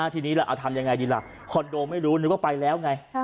ทีนี้ล่ะเอาทำยังไงดีล่ะคอนโดไม่รู้นึกว่าไปแล้วไง